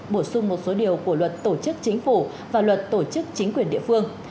bổ sung một số điều của luật tổ chức chính phủ và luật tổ chức chính quyền địa phương